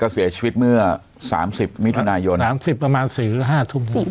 เสียชีวิตเมื่อ๓๐มิถุนายน๓๐ประมาณ๔หรือ๕ทุ่ม